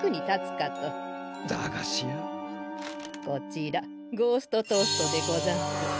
こちらゴーストトーストでござんす。